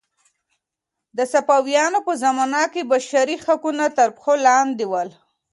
د صفویانو په زمانه کې بشري حقونه تر پښو لاندې ول.